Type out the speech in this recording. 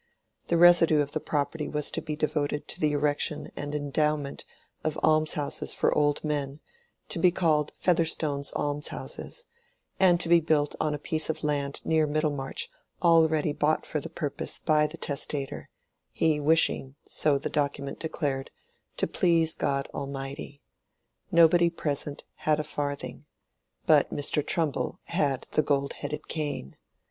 The residue of the property was to be devoted to the erection and endowment of almshouses for old men, to be called Featherstone's Alms Houses, and to be built on a piece of land near Middlemarch already bought for the purpose by the testator, he wishing—so the document declared—to please God Almighty. Nobody present had a farthing; but Mr. Trumbull had the gold headed cane.